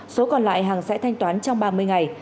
số còn lại hàng sẽ thanh toán trong ba mươi ngày